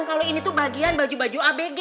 kalau ini tuh bagian baju baju abg